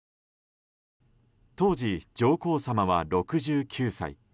当時、上皇さまは６９歳。